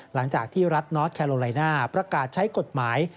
หลังจากที่รัฐนอสแคโลไลน่าประกาศใช้กฎหมาย